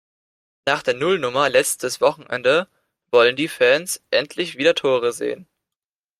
Nach der Nullnummer letztes Wochenende wollen die Fans endlich wieder Tore sehen.